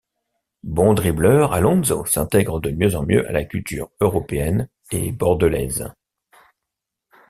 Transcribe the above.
Bon dribbleur, Alonso s'intègre de mieux en mieux à la culture européenne et bordelaise.